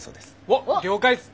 おっ了解っす。